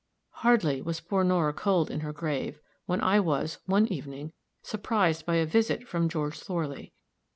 "Hardly was poor Nora cold in her grave when I was, one evening, surprised by a visit from George Thorley.